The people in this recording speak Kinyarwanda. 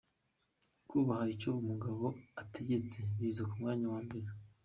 Kubaha icyo umugabo ategetse biza ku mwanya wa mbere.